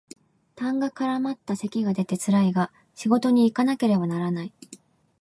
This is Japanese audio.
痰が絡まった咳が出てつらいが仕事にいかなければならない